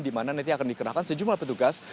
di mana nanti akan dikerahkan sejumlah petugas